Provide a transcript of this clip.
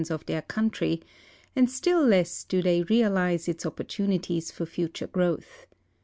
s of their country, and still less do they realize its opportunities for future growth.